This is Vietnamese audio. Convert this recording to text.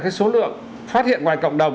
cái số lượng phát hiện ngoài cộng đồng